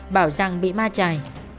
bảo rằng bị ma trài